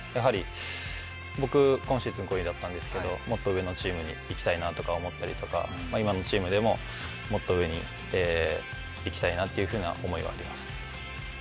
僕、今シーズン５位だったんですけど、もっと上のチームに行きたいなとか今のチームでも、もっと上に行きたいなというふうな思いはあります。